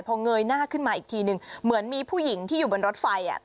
พอเงยหน้าขึ้นมาอีกทีนึงเหมือนมีผู้หญิงที่อยู่บนรถไฟ